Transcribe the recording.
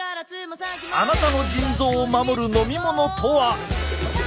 あなたの腎臓を守る飲み物とは？